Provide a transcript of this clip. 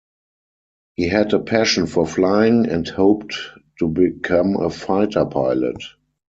He had a passion for flying and hoped to become a fighter pilot.